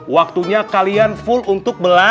waktunya kalian full untuk belajar